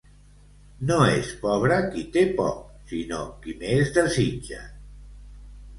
No és pobre qui té poc, sinó qui més desitja.